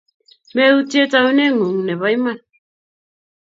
meutie taune ngumg Nepo iman